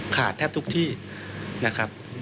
แทบทุกที่นะครับ